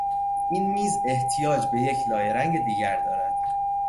این میز احتیاج به یک لایه رنگ دیگر دارد.